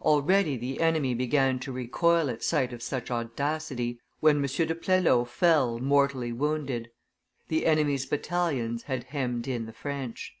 Already the enemy began to recoil at sight of such audacity, when M. de Plelo fell mortally wounded; the enemy's battalions had hemmed in the French.